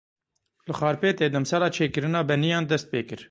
Li Xarpêtê demsala çêkirina beniyan dest pê kir.